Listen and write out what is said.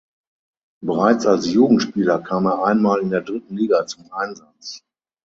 Bereits als Jugendspieler kam er einmal in der dritten Liga zum Einsatz.